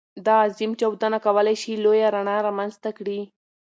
دا عظيم چاودنه کولی شي لویه رڼا رامنځته کړي.